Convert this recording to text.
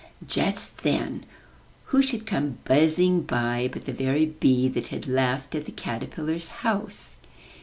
Just then who should come buzzing by but the very bee that had laughed at the caterpillar's house.